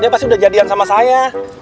dia pasti udah jadian sama saya